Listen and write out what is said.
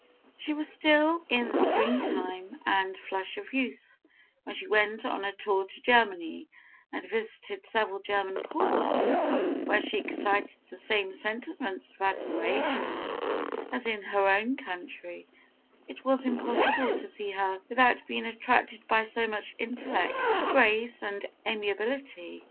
She was still in the springtime and flush of youth, when she went on a tour to Germany, and visited several German courts, where she excited the same sentiments of admiration as in her own country; it was impossible to see her without being attracted by so much intellect, grace and amiability.